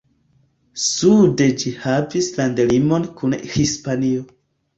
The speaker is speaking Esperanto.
Sude ĝi havas landlimon kun Hispanio.